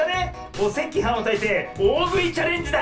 おせきはんをたいておおぐいチャレンジだ！